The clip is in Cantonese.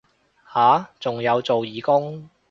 啊仲有做義工